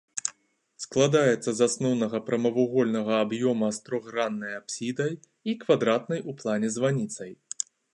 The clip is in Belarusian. Складаецца з асноўнага прамавугольнага аб'ёма з трохграннай апсідай і квадратнай у плане званіцай.